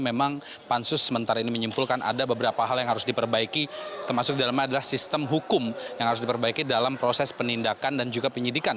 memang pansus sementara ini menyimpulkan ada beberapa hal yang harus diperbaiki termasuk di dalamnya adalah sistem hukum yang harus diperbaiki dalam proses penindakan dan juga penyidikan